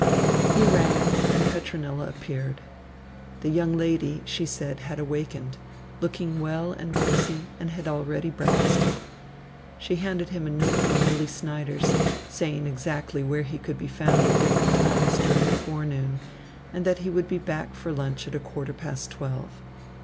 He rang, and Petronilla appeared. The young lady, she said, had awakened, looking well and rosy, and had already breakfasted. She handed him a note from Willy Snyders, saying exactly where he could be found at different times during the forenoon and that he would be back for lunch at quarter past twelve.